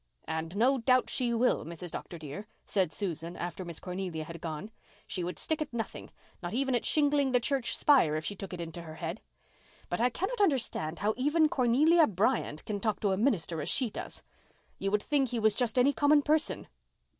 "And no doubt she will, Mrs. Dr. dear," said Susan, after Miss Cornelia had gone. "She would stick at nothing, not even at shingling the church spire if she took it into her head. But I cannot understand how even Cornelia Bryant can talk to a minister as she does. You would think he was just any common person."